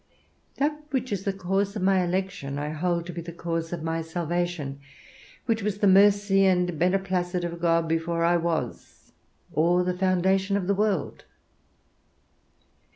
That which is the cause of my election I hold to be the cause of my salvation, which was the mercy and beneplacit of God, before I was, or the foundation of the world.